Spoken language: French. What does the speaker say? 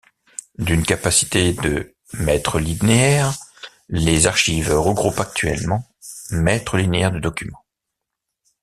D'une capacité de mètres linéaires, les archives regroupent actuellement mètres linéaires de documents.